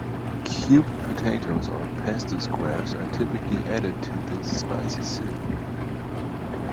Cubed potatoes or pasta squares are typically added to this spicy soup.